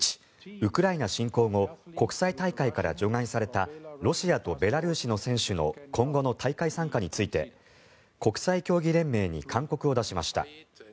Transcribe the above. ウクライナ侵攻後国際大会から除外されたロシアとベラルーシの選手の今後の大会参加について国際競技連盟に勧告を出しました。